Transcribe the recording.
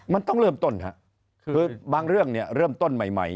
มันต้องเริ่มต้นครับคือบางเรื่องเนี่ยเริ่มต้นใหม่ใหม่